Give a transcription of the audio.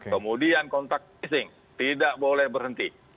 kemudian kontak tracing tidak boleh berhenti